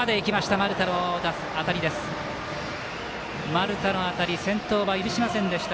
丸田の当たり先頭は許しませんでした。